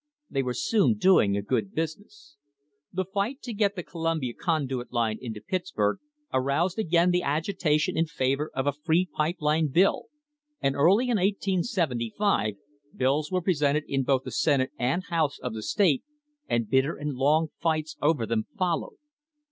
They were soon doing a good business. The ight to get the Columbia Conduit Line into Pittsburg aroused igain the agitation in favour of a free pipe line bill, and early in 1875 bills were presented in both the Senate and House of the state and bitter and long fights over them followed.